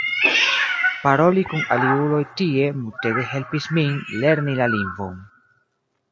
Paroli kun aliuloj tie multege helpis min lerni la lingvon.